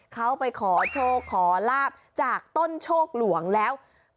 เขาไปขอโชคขอลาบจากต้นโชคหลวงแล้ว